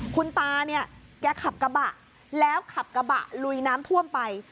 คุณตาเนี่ยแกขับกระบะแล้วขับกระบะลุยน้ำท่วมไป